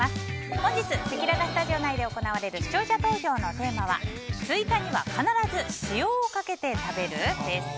本日せきららスタジオ内で行われる視聴者投票のテーマはスイカには必ず塩をかけて食べる？です。